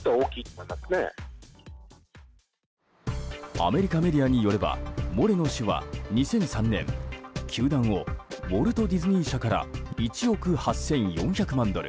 アメリカメディアによればモレノ氏は２００３年球団をウォルト・ディズニー社から１億８４００万ドル